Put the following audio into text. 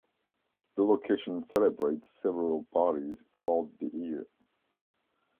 The location celebrates several parties throughout the year.